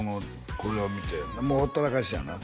これを見てもうほったらかしやな？